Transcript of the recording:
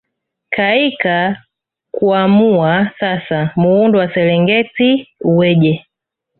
Kaika kuamua sasa muundo wa Serengeti uweje